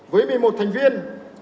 với một mươi một thành viên